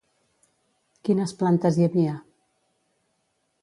Quines plantes hi havia?